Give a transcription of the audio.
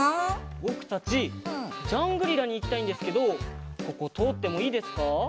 ぼくたちジャングリラにいきたいんですけどこことおってもいいですか？